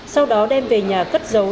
sau đó đem về nhà cất giấu